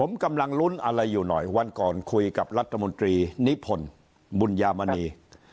ผมกำลังลุ้นอะไรอยู่หน่อยวันก่อนคุยกับรัฐมนตรีนิพนธ์บุญญามณี